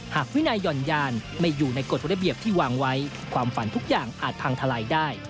วินัยห่อนยานไม่อยู่ในกฎระเบียบที่วางไว้ความฝันทุกอย่างอาจพังทลายได้